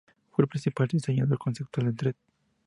Fue el principal diseñador conceptual en "Dredd".